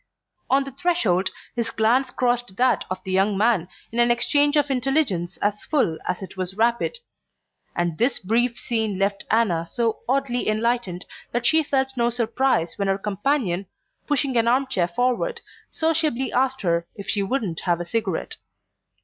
On the threshold his glance crossed that of the young man in an exchange of intelligence as full as it was rapid; and this brief scene left Anna so oddly enlightened that she felt no surprise when her companion, pushing an arm chair forward, sociably asked her if she wouldn't have a cigarette.